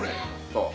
そう。